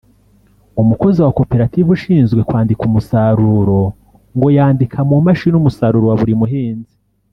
umukozi wa koperative ushinzwe kwandika umusaruro ngo yandika mu mashini umusaruro wa buri muhinzi